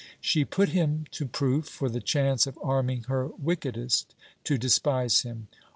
She put him to proof, for the chance of arming her wickedest to despise him.